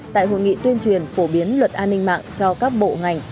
tại hội nghị tuyên truyền phổ biến luật an ninh mạng cho các bộ ngành